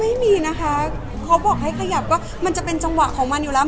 ไม่มีนะคะเขาบอกให้ขยับก็มันจะเป็นจังหวะของมันอยู่แล้ว